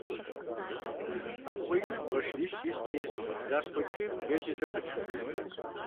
Абгъуэ иным бгъэ шырищ исти, блащхъуэ кӀийм еджэ зэпытхэт.